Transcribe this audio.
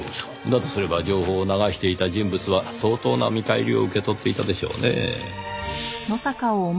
だとすれば情報を流していた人物は相当な見返りを受け取っていたでしょうねぇ。